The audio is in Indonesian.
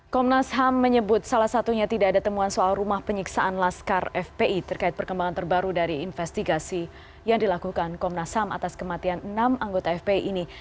komnas ham menyebut salah satunya tidak ada temuan soal rumah penyiksaan laskar fpi terkait perkembangan terbaru dari investigasi yang dilakukan komnas ham atas kematian enam anggota fpi ini